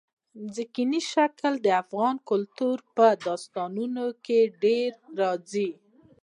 ځمکنی شکل د افغان کلتور په داستانونو کې ډېره راځي.